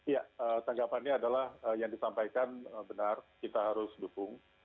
ya tanggapannya adalah yang disampaikan benar kita harus dukung